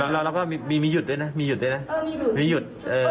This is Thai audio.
แล้วเราก็มีหยุดด้วยนะมีหยุด